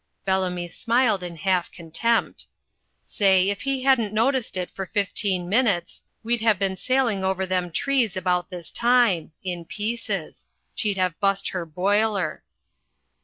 Bellamy smiled in half contempt. "Say, if he hadn't noticed it for fifteen minutes, we'd have been sailing over them trees about this time in pieces. She'd have bust her boiler."